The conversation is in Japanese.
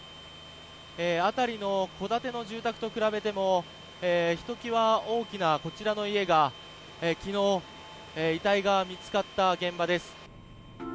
辺りの戸建ての住宅と比べてもひときわ大きなこちらの家が昨日、遺体が見つかった現場です。